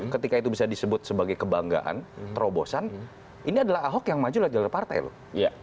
ketika itu bisa disebut sebagai kebanggaan terobosan ini adalah ahok yang maju lewat jalur partai loh